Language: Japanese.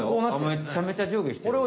めっちゃめちゃ上下してる。